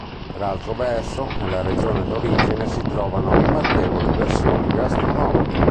Per altro verso, nella regione d'origine si trovano rimarchevoli versioni gastronomiche.